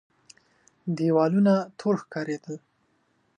دېوالونه تور ښکارېدل.